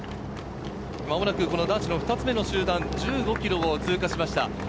まもなく男子の２つ目の集団が１５ｋｍを通過しました。